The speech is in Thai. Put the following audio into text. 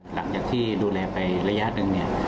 หลังจากที่ดูแลไประยะหนึ่งเนี่ย